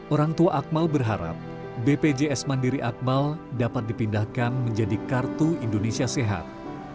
orang tua akmal berharap bpjs mandiri akmal dapat dipindahkan menjadi kartu indonesia sehat